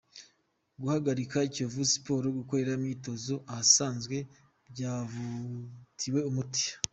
Guhagarika Kiyovu Siporo gukorera imyitozo ahasanzwe byavugutiwe umuti